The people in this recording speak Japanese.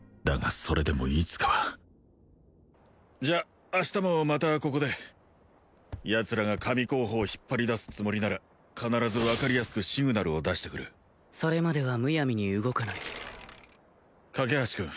それでもいつかはじゃあ明日もまたここでヤツらが神候補を引っ張り出すつもりなら必ず分かりやすくシグナルを出してくるそれまではむやみに動かない架橋君